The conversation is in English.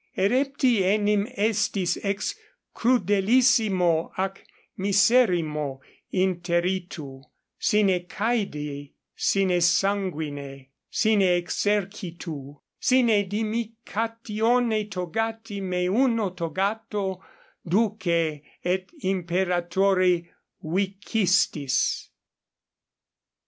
Erepti enim estis ex crudelissimo ac miserrimo interitu: sine caede, sine sanguine, sine exercitu, sine dimicatione togati me uno togato duce et imperatore vicistis.